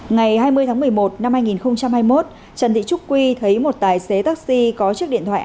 ngày hai mươi tháng một mươi một năm hai nghìn hai mươi một trần thị trúc quy thấy một tài xế taxi có chiếc điện thoại